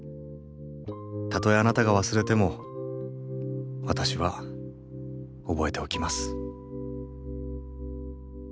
たとえあなたが忘れても私は覚えておきます。